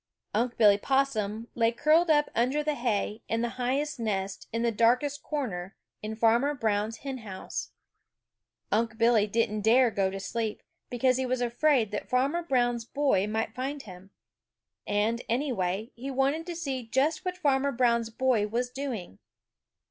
Unc' Billy Possum lay curled up under the hay in the highest nest in the darkest corner in Farmer Brown's hen house. Unc' Billy didn't dare go to sleep, because he was afraid that Farmer Brown's boy might find him. And, anyway, he wanted to see just what Farmer Brown's boy was doing.